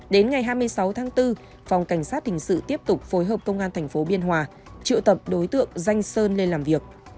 đến ngày hai mươi sáu tháng bốn phòng cảnh sát hình sự tiếp tục phối hợp công an tp biên hòa triệu tập đối tượng danh sơn lên làm việc